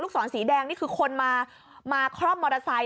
ลูกศรสีแดงนี่คือคนมามาครอบมอเตอร์ไซต์